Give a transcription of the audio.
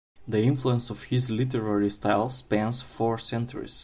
The influence of his literary style spans four centuries.